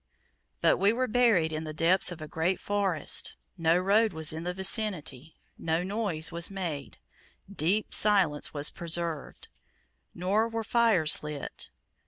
But we were buried in the depths of a great forest no road was in the vicinity, no noise was made, deep silence was preserved; nor were fires lit.